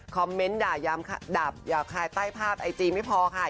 คอมเมนต์ด่ายามดาบใต้ภาพไอจีย์ไม่พอค่ะ